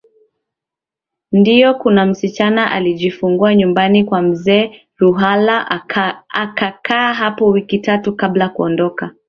ndiyo kuna msichana alijifungua nyumbani kwa mzee ruhala akakaa hapo wiki tatu kabla kuondoka